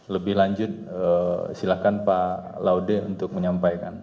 lebih lanjut silakan pak laude untuk menyampaikan